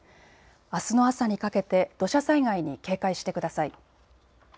あすの朝にかけて土砂災害に警戒してください。